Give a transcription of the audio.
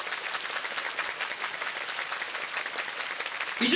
以上。